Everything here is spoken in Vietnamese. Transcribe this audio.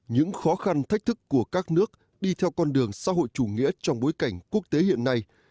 những khó khăn thách thức của các nước đi theo con đường xã hội chủ nghĩa trong bối cảnh quốc tế hiện nay